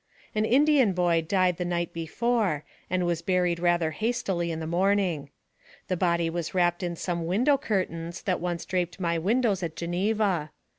An Indian boy died the night before, and was buried rather hastily in the morning. The body was wrapped in some window curtains that once draped my windows at Geneva.